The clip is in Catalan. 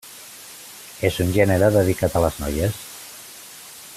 És un gènere dedicat a les noies.